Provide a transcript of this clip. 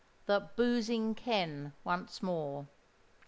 THE "BOOZING KEN" ONCE MORE.